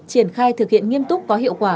triển khai thực hiện nghiêm túc có hiệu quả